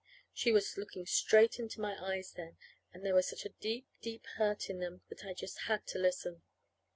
She was looking straight into my eyes then, and there was such a deep, deep hurt in them that I just had to listen.